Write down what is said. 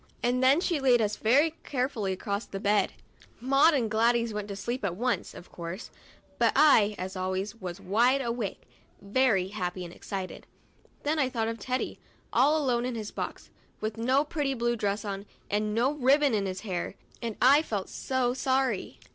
And then she laid us very carefully across the bed. Maud and Gladys went to sleep at once, of course ; but I, as always, was wide awake, very happy and excited. Then I thought of Teddy, all alone in his box, with no pretty blue dress on, and no ribbon in his hair, and I felt so sorry.